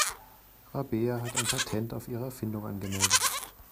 Rabea hat ein Patent auf ihre Erfindung angemeldet.